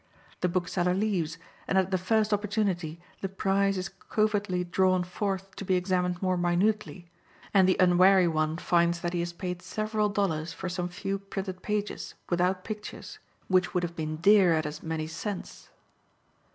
The book seller leaves, and at the first opportunity the prize is covertly drawn forth to be examined more minutely, and the unwary one finds that he has paid several dollars for some few printed pages, without pictures, which would have been dear at as many cents.